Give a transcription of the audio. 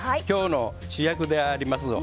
今日の主役であります